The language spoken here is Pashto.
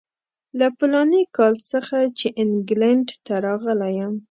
له فلاني کال څخه چې انګلینډ ته راغلی یم.